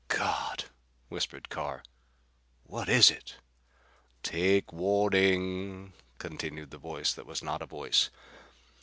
"God!" whispered Carr. "What is it?" "Take warning," continued the voice that was not a voice.